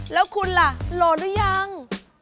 แล้วคุณล่ะโหลดหรือยัง